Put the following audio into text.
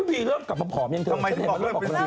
เฮ้ยวีเลิกกลับมาพรมยังเธอ